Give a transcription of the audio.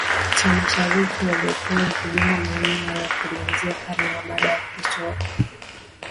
cha Mashariki walipoanza kujenga maeneo yao kuanzia karne ya baada ya kristo Waviking waliunda